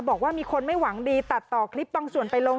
บอกว่ามีคนไม่หวังดีตัดต่อคลิปบางส่วนไปลง